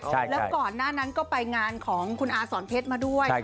แล้วก่อนหน้านั้นก็ไปงานของคุณอาสอนเพชรมาด้วย